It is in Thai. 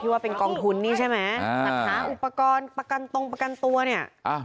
ว่าเป็นกองทุนนี่ใช่ไหมอ่าจัดหาอุปกรณ์ประกันตรงประกันตัวเนี่ย